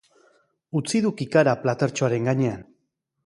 Utzi du kikara platertxoaren gainean.